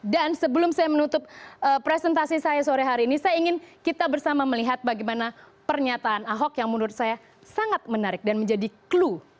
dan sebelum saya menutup presentasi saya sore hari ini saya ingin kita bersama melihat bagaimana pernyataan ahok yang menurut saya sangat menarik dan menjadi clue